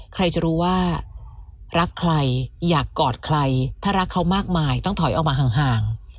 ใครจะรู้ว่ารักใครอยากกอดใครถ้ารักเขามากมายต้องถอยออกมาห่าง